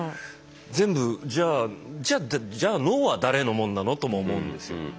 全部じゃあじゃあ脳は誰のもんなの？とも思うんですよ。